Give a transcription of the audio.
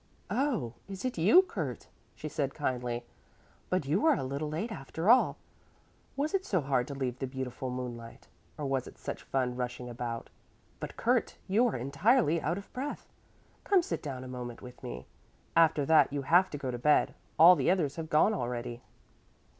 "Oh, is it you, Kurt?" she said kindly. "But you are a little late after all. Was it so hard to leave the beautiful moonlight? Or was it such fun rushing about? But, Kurt, you are entirely out of breath. Come sit down a moment with me. After that you have to go to bed; all the others have gone already."